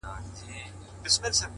د انقلاب يوه څپه بې نوم نښان ورک کړي